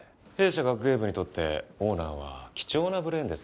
弊社学芸部にとってオーナーは貴重なブレーンですから。